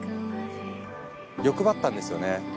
欲張ったんですよね。